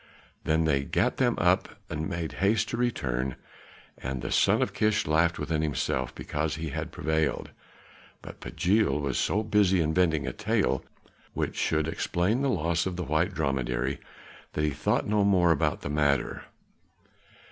Then they gat them up and made haste to return, and the son of Kish laughed within himself because he had prevailed; but Pagiel was so busy inventing a tale which should explain the loss of the white dromedary, that he thought no more of the matter.